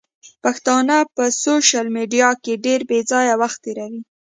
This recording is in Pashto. پښتانه په سوشل ميډيا کې ډېر بېځايه وخت تيروي.